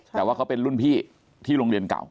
แต่ว่าเขาเป็นรุ่นพี่ที่โรงเรียนเก่า